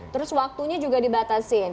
terus waktunya juga dibatasin